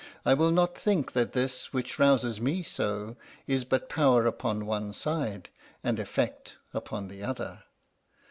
I will not think that this which rouses me so is but power upon one side, and effect upon the other.